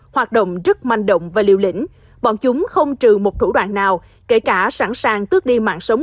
hoạt động rất manh động và liều lĩnh bọn chúng không trừ một thủ đoạn nào kể cả sẵn sàng tước đi mạng sống